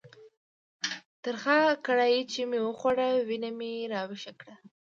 ترخه کړایي چې مې وخوړه، وینه مې را ویښه کړه.